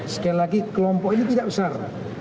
sekali lagi kelompok ini tidak besar